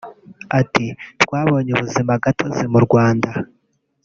Ati “Twabonye ubuzimagatozi mu Rwanda